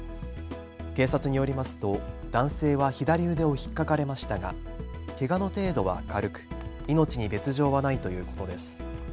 警察によりますと男性は左腕をひっかかれましたがけがの程度は軽く、命に別状はないということです。